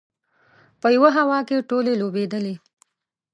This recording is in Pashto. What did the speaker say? په یوه هوا کې ټولې لوبېدلې.